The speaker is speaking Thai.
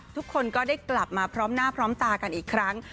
ทุกคนก็ได้กลับมาพร้อมหน้าพร้อมตากันอีกครั้ง